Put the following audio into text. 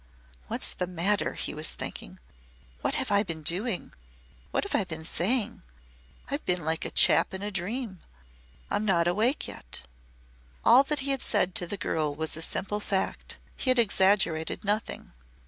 "What's the matter?" he was thinking. "What have I been doing What have I been saying? I've been like a chap in a dream. I'm not awake yet." All that he had said to the girl was a simple fact. He had exaggerated nothing.